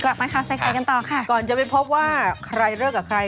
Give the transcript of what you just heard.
กลับมาข่าวใส่ไข่กันต่อค่ะก่อนจะไปพบว่าใครเลิกกับใคร